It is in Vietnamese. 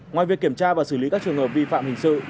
ngoài việc kiểm tra và xử lý các trường hợp vi phạm hình sự